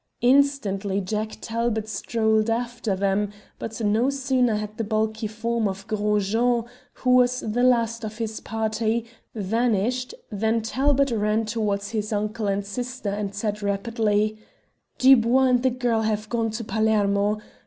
Instantly Jack Talbot strolled after them, but no sooner had the bulky form of Gros Jean who was the last of his party vanished than Talbot ran towards his uncle and sister, and said rapidly "Dubois and the girl have gone to Palermo.